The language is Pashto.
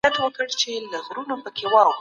قصاص او فساد د ژوند د حق د اخیستلو لاملونه دي.